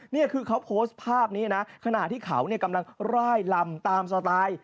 นี่คือเขาโพสต์ภาพนี้นะขณะที่เขากำลังร่ายลำตามสไตล์